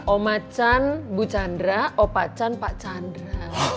omah cem bu chandra opah cem pak chandra